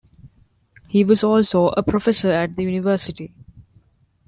He was also a professor at the university.